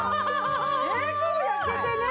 結構焼けてね！